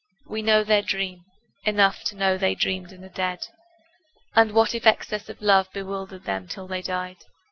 We know their dream; enough To know they dreamed and are dead. And what if excess of love Bewildered them till they died?